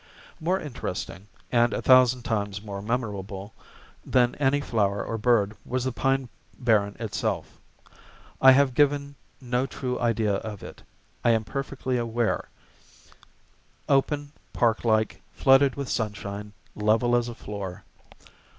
More interesting, and a thousand times more memorable, than any flower or bird was the pine barren itself. I have given no true idea of it, I am perfectly aware: open, parklike, flooded with sunshine, level as a floor.